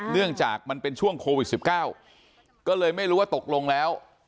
เนื่องจากมันเป็นช่วงโควิด๑๙ก็เลยไม่รู้ว่าตกลงแล้ว